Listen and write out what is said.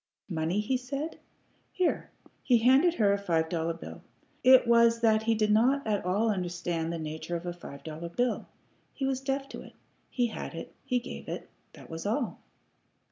"Money?" he said. "Here." He handed her a five dollar bill. It was that he did not at all understand the nature of a five dollar bill. He was deaf to it. He had it; he gave it; that was all.